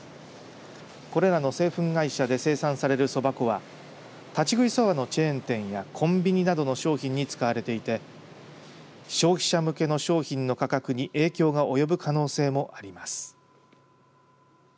これらの製粉会社で生産されるそば粉は立ち食いそばのチェーン店やコンビニなどの商品に使われていて消費者向けの商品の価格に影響が及ぶ可能性もあります。